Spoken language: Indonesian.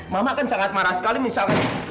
mama kan sangat marah sekali misalnya